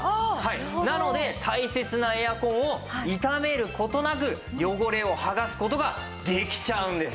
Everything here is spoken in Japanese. なので大切なエアコンを傷める事なく汚れを剥がす事ができちゃうんです。